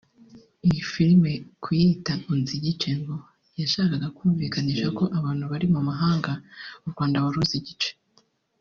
Iyi Filme kuyita “Unzi Igice” ngo yashakaga kumvikanisha ko abantu bari mu mahanga u Rwanda baruzi igice